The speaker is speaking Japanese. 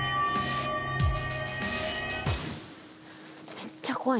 めっちゃ怖い。